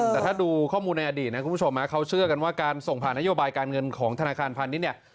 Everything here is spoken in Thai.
แต่ถ้าดูข้อมูลในอดีตนะคุณผู้ชมเขาเชื่อกันว่าการส่งผ่านนโยบายการเงินของธนาคารพาณิชย์เนี่ย